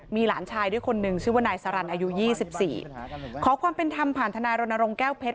มีหลานชายด้วยคนหนึ่งชื่อว่านายสารันอายุ๒๔ขอความเป็นธรรมผ่านทนายรณรงค์แก้วเพชร